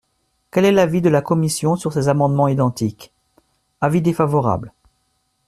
Quel est l’avis de la commission sur ces amendements identiques ? Avis défavorable.